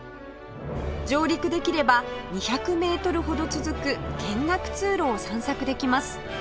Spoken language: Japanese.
上陸できれば２００メートルほど続く見学通路を散策できます